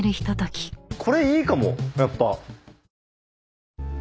これいいかもやっぱ。